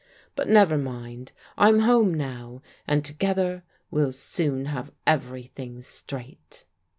But never mind. I'm home now, and to gether, we'll soon have everything straight."